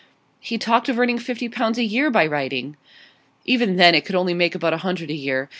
'He talked of earning fifty pounds a year by writing.' 'Even then it could only make about a hundred a year.